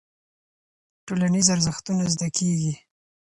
ټولنيز ارزښتونه زده کيږي.